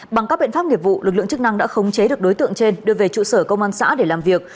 bằng các biện pháp nghiệp vụ lực lượng chức năng đã khống chế được đối tượng trên đưa về trụ sở công an xã để làm việc